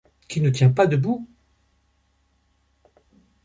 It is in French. qui ne tient pas debout !